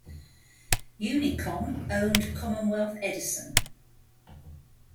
Unicom owned Commonwealth Edison.